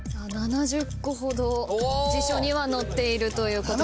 ７０個ほど辞書には載っているということです。